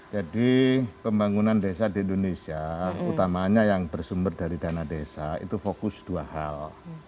jadi pembangunan desa di indonesia utamanya yang bersumber dari dana desa itu fokus dua hal